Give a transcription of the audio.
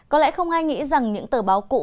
có lẽ không ai nghĩ rằng những tờ báo cũ